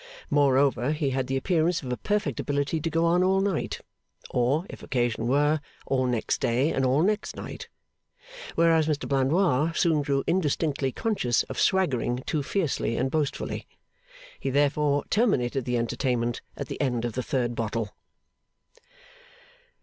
Moreover, he had the appearance of a perfect ability to go on all night; or, if occasion were, all next day and all next night; whereas Mr Blandois soon grew indistinctly conscious of swaggering too fiercely and boastfully. He therefore terminated the entertainment at the end of the third bottle.